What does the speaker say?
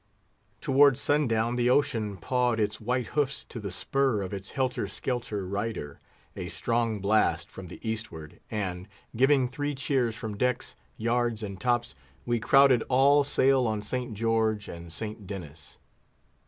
Toward sundown the ocean pawed its white hoofs to the spur of its helter skelter rider, a strong blast from the Eastward, and, giving three cheers from decks, yards, and tops, we crowded all sail on St. George and St. Denis.